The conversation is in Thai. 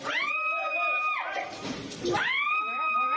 หลบถน์หลบ